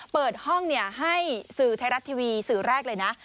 เปิดห้องให้สื่อไทยรัฐทีวีสื่อแรกเลยนะ